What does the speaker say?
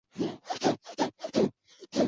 汾州一直属于河东节度使。